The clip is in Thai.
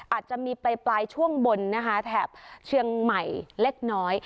อาจจะมีปลายช่วงบนนะคะแถบเชียงใหม่เล็กน้อย